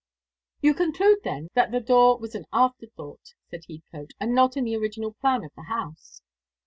"You conclude, then, that the door was an after thought," said Heathcote, "and not in the original plan of the house."